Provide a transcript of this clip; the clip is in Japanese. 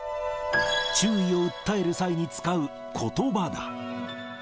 注意を訴える際に使うことばだ。